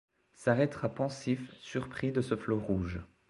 S'arrêtera pensif, surpris de ce flot rouge ;